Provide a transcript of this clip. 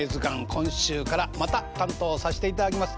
今週からまた担当させていただきます